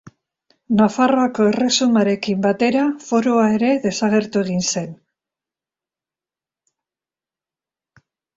Nafarroako Erresumarekin batera, Forua ere desagertu egin zen.